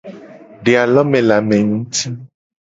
De alome le ame nguti.